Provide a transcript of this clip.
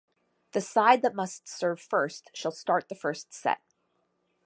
The side that must serve first shall start the first set.